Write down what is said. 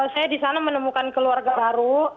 saya di sana menemukan keluarga baru